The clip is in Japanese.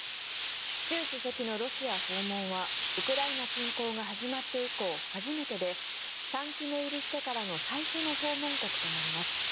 習主席のロシア訪問はウクライナ侵攻が始まって以降初めてで３期目入りしてからの最初の訪問国となります。